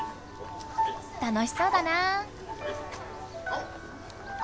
楽しそうだなあ。